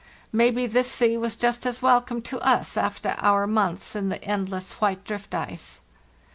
Maybe this sea was just as welcome to us after our months in the endless white drift ice.